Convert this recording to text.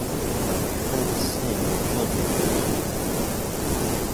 When parents sing, their children do too.